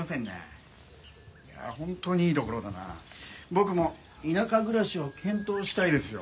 僕も田舎暮らしを検討したいですよ。